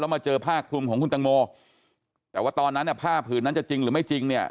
มาเจอผ้าคลุมของคุณตังโมแต่ว่าตอนนั้นอ่ะผ้าผืนนั้นจะจริงหรือไม่จริงเนี่ย